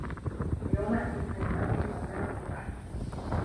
فَيَومَئِذٍ لا يُعَذِّبُ عَذابَهُ أَحَدٌ